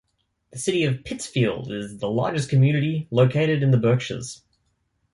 The city of Pittsfield is the largest community located in the Berkshires.